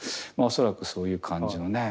恐らくそういう感じのね。